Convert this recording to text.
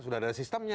sudah ada sistemnya